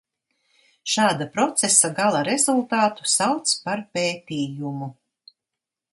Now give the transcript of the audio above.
Šāda procesa gala rezultātu sauc par pētījumu.